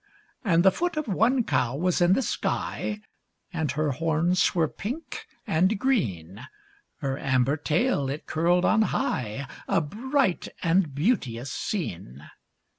And the foot of one cow was in the sky, And her horns were pink and green; Her amber tail it curled on high A bright and beauteous scene.